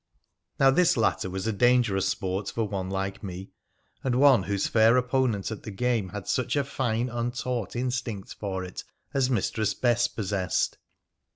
Now, this latter was a dangerous sport for one like me, and one whose fair opponent at the game had such a fine untaught instinct for it as Mistress Bess possessed.